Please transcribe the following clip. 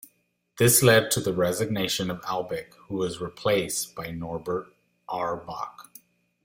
This led to the resignation of Albeck who was replaced by Norbert Auerbach.